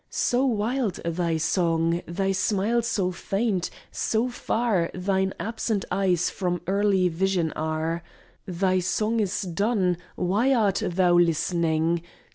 So wild thy song, thy smile so faint, so far Thine absent eyes from earthly vision are. Thy song is done: why art thou listening?